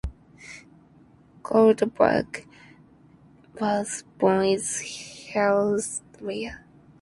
Goldberg was born in Herzliya.